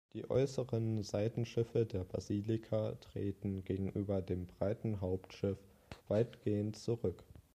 Die äußeren Seitenschiffe der Basilika treten gegenüber dem breiten Hauptschiff weitgehend zurück.